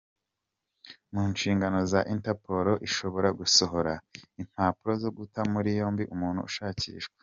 Mu nshingano za Interpol, ishobora gusohora impapuro zo guta muri yombi umuntu ushakishwa.